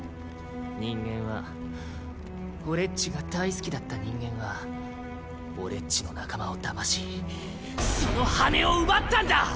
人間は俺っちが大好きだった人間は俺っちの仲間をだましその羽を奪ったんだ！